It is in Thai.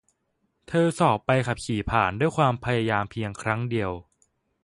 เธอสอบใบขับขี่ผ่านด้วยความพยายามเพียงครั้งเดียว